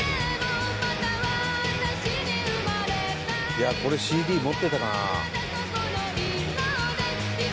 いやあこれＣＤ持ってたな。